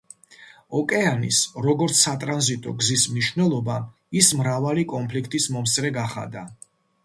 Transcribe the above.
ოკეანის როგორც სატრანზიტო გზის მნიშვნელობამ ის მრავალი კონფლიქტის მომსწრე გახადა.